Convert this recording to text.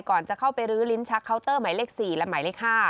ก่อนจะเข้าไปรื้อลิ้นชักเคาน์เตอร์หมายเลข๔และหมายเลข๕